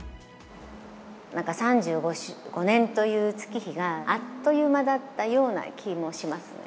なんか３５年という月日が、あっという間だったような気もしますね。